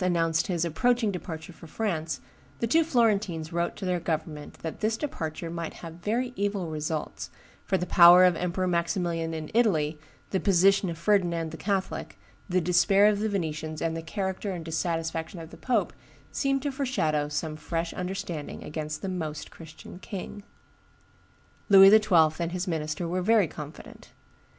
announced his approaching departure for France, the two Florentines wrote to their government that "this departure might have very evil results, for the power of Emperor Maximilian in Italy, the position of Ferdinand the Catholic, the despair of the Venetians, and the character and dissatisfaction of the pope, seemed to foreshadow some fresh understanding against the Most Christian king." Louis XII. and his minister were very confident.